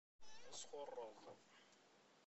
D asxuṛṛeḍ.